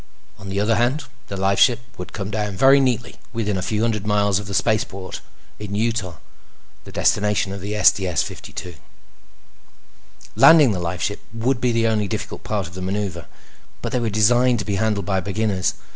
On the other hand, the lifeship would come down very neatly within a few hundred miles of the spaceport in Utah, the destination of the STS 52. Landing the lifeship would be the only difficult part of the maneuver, but they were designed to be handled by beginners.